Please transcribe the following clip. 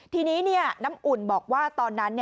ทีนี้น้ำอุ่นบอกว่าตอนนั้น